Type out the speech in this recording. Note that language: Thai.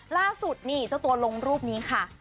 ล่าสุดนี่เจ้าตัวลงรูปนี้ค่ะ